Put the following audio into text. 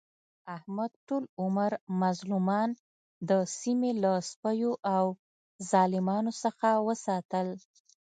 احمد ټول عمر مظلومان د سیمې له سپیو او ظالمانو څخه وساتل.